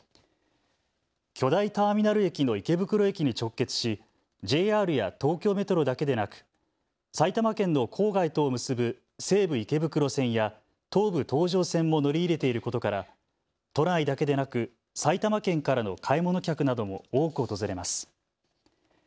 巨大ターミナル駅の池袋駅に直結しＪＲや東京メトロだけでなく埼玉県の郊外とを結ぶ西武池袋線や東武東上線も乗り入れていることから都内だけでなく埼玉県からの買い物客なども多く訪れます。